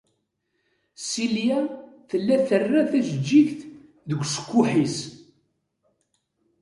Silya tella terra tajeǧǧigt deg ucekkuḥ-is.